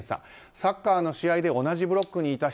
サッカーの試合で同じブロックにいた人